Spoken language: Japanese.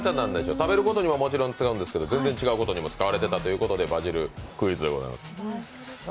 食べることにも使われてるんですが、全然違うことにも使われていたというバジルクイズでございます。